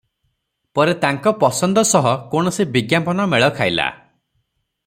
ପରେ ତାଙ୍କ ପସନ୍ଦ ସହ କୌଣସି ବିଜ୍ଞାପନ ମେଳଖାଇଲା ।